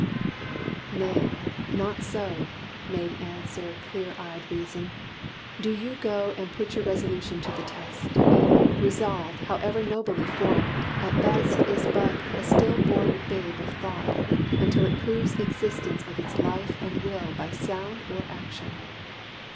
"Nay, not so," Made answer clear eyed Reason, "Do you go And put your resolution to the test. Resolve, however nobly formed, at best Is but a still born babe of Thought, until It proves existence of its life and will By sound or action."